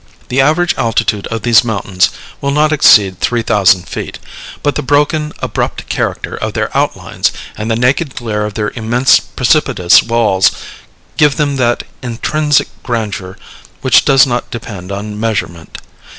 The average altitude of these mountains will not exceed three thousand feet; but the broken, abrupt character of their outlines, and the naked glare of their immense precipitous walls, give them that intrinsic grandeur which does not depend on measurement.